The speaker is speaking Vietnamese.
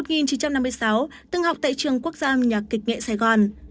từng học tại trường quốc gia âm nhạc kịch nghệ sài gòn